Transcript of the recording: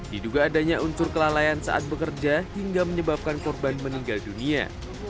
diduga adanya unsur kelalaian saat bekerja hingga menyebabkan korban meninggal dunia